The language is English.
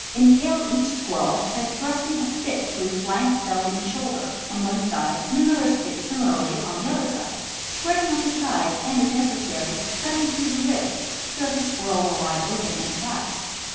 Impale each squirrel by thrusting a spit through flank, belly, and shoulder, on one side, and another spit similarly on the other side, spreading out the sides, and, if neces sary, cutting through the ribs, so that the squirrel will lie open and flat.